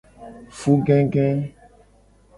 Fugege.